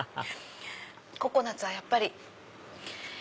ココナツはやっぱり。